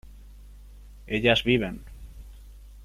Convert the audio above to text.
ellas viven